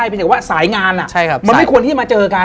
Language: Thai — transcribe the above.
ไม่ใช่ว่าสายงานมันไม่ควรที่จะมาเจอกัน